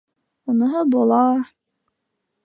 — Уныһы була.